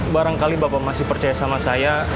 barangkali bapak masih percaya sama saya